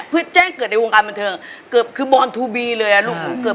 เมื่อกี้เห็นนวดกันอยู่เลยเมื่อกี้เนี่ย